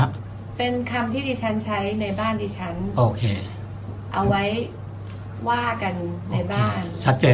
หมายถึงที่อาจจะมีข้อมูลที่เป็นข้อผิดพลาดกันหรือเป็น